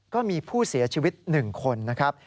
ก็มีผู้เสียชีวิต๑คนนะครับ